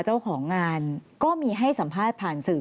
เจ้าของงานก็มีให้สัมภาษณ์ผ่านสื่อ